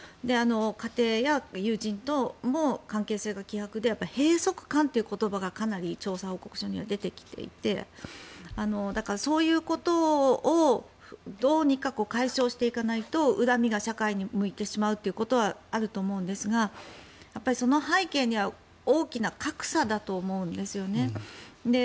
家庭や友人とも関係性が希薄で閉塞感という言葉がかなり調査報告書には出てきていてだから、そういうことをどうにか解消していかないと恨みが社会に向いてしまうということはあると思うんですがその背景には大きな格差だと思うんですよね。